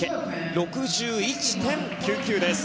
６１．９９です。